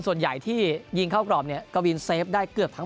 ส่วนใหญ่ที่ยิงเข้ากรอบเนี่ยกวินเซฟได้เกือบทั้ง